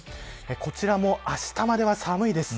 こちらもあしたまでは寒いです。